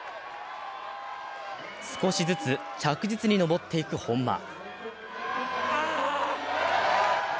少しずつ着実に登っていく本間。